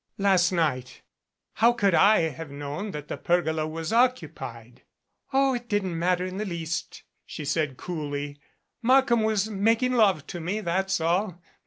"Last night. How should / have known that the per gola was occupied !" "Oh, it didn't matter in the least," she said coolly. "Markham was making love to me, that's all.